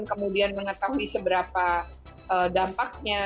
kemudian mengetahui seberapa dampaknya